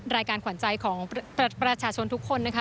รายการขวัญใจของประชาชนทุกคนนะคะ